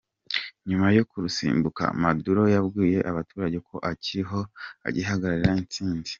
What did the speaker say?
Nyuma yo kurusimbuka, Maduro yabwiye abaturage ko akiriho agiharanira intsinzi.